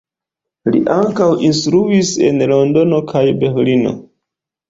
Li ankaŭ instruis en Londono kaj Berlino.